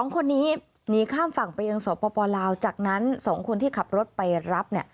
๒คนนี้หนีข้ามฝั่งไปยังสปลาวจากนั้น๒คนที่ขับรถไปรับ